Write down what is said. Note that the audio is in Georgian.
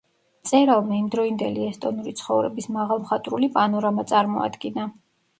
მწერალმა იმდროინდელი ესტონური ცხოვრების მაღალმხატვრული პანორამა წარმოადგინა.